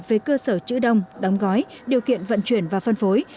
về cơ sở chữ đông đóng gói điều kiện vận chuyển và phân phối